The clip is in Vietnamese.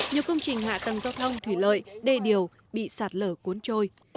nhiều công trình hạ tầng giao thông thủy lợi đê điều bị sạt lở cuốn trôi